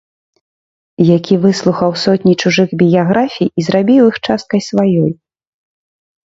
Які выслухаў сотні чужых біяграфій і зрабіў іх часткай сваёй.